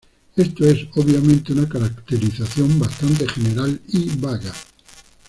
Esta es, obviamente, una caracterización bastante general y vaga.